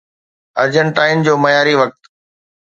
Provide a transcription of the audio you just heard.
ارجنٽائن جو معياري وقت